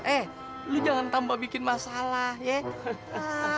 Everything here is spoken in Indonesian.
eh lu jangan tambah bikin masalah ye